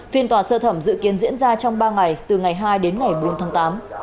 phiên tòa sơ thẩm dự kiến diễn ra trong ba ngày từ ngày hai đến ngày bốn tháng tám